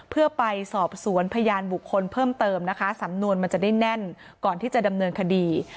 เพื่อไปสอบสวนพยานบุคคลเพิ่มเติมนะคะสำนวนมันจะได้แน่นก่อนที่จะดำเนินคดี